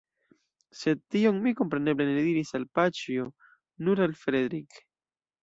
Sed tion mi kompreneble ne diris al Paĉjo, nur al Fredrik.